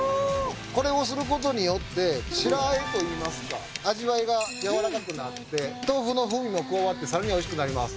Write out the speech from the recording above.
これをすることによって白和えといいますか味わいが柔らかくなって豆腐の風味も加わって更に美味しくなります。